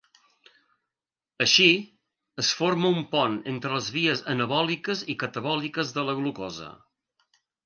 Així, es forma un pont entre les vies anabòliques i catabòliques de la glucosa.